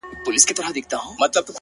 زما د دوو سترگو ډېوو درپسې ژاړم’